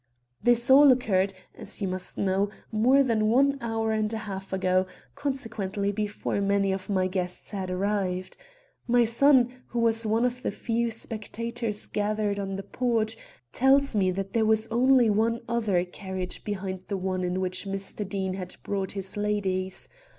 "This all occurred, as you must know, more than an hour and a half ago, consequently before many of my guests had arrived. My son, who was one of the few spectators gathered on the porch, tells me that there was only one other carriage behind the one in which Mr. Deane had brought his ladies.